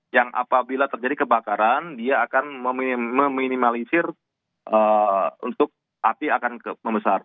yang apabila terjadi kebakaran dia akan meminimalisir untuk api akan membesar